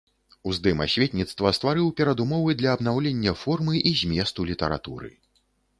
Уздым асветніцтва стварыў перадумовы для абнаўлення формы і зместу літаратуры.